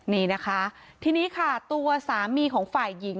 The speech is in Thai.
นี่นะคะทีนี้ค่ะตัวสามีของฝ่ายหญิง